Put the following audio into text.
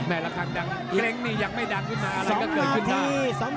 ละครั้งดังเล้งนี่ยังไม่ดังขึ้นมาอะไรก็เกิดขึ้นได้